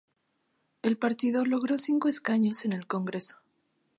El partido logró cinco escaños en el Congreso.